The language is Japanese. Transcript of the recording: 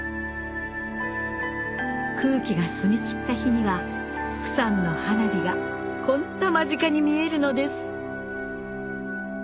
空気が澄みきった日には釜山の花火がこんな間近に見えるのです